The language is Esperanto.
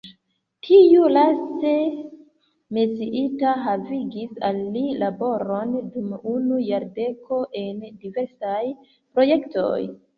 Tiu laste menciita havigis al li laboron dum unu jardeko en diversaj projektoj.